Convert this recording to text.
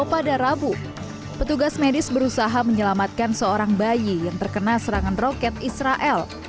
pada rabu petugas medis berusaha menyelamatkan seorang bayi yang terkena serangan roket israel